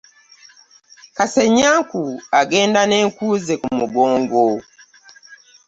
Kasenyaku agenda ne nkuze ku mugongo.